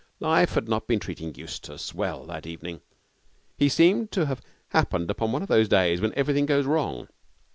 Life had not been treating Eustace well that evening. He seemed to have happened upon one of those days when everything goes wrong.